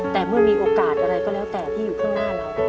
แต่เมื่อมีโอกาสอะไรก็แล้วแต่ที่อยู่ข้างหน้าเรา